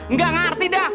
nih gua kasih lo